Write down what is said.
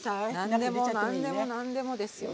何でも何でも何でもですよ。